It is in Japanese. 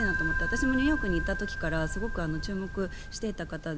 私もニューヨークにいた時からすごく注目していた方で。